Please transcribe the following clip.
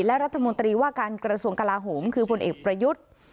และรัฐมนตรีว่าการกระทรวงกลาโหมคือผลเอกประยุทธ์